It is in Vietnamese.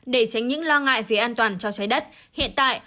để tránh những lo ngại về an toàn cho trái đất hiện tại